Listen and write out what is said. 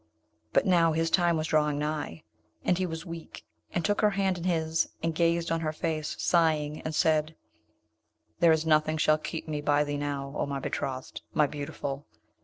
But now his time was drawing nigh, and he was weak, and took her hand in his and gazed on her face, sighing, and said, 'There is nothing shall keep me by thee now, O my betrothed, my beautiful!